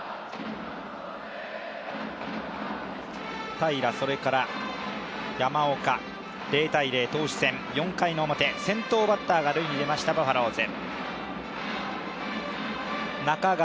平良、それから山岡０−０投手戦４回表、先頭バッターが塁に出ましたバファローズ。